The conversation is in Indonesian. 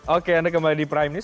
oke anda kembali di prime news